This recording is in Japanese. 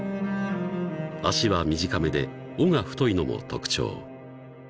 ［脚は短めで尾が太いのも特徴］